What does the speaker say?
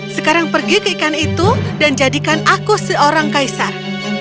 sekarang pergi ke ikan itu dan jadikan aku seorang kaisar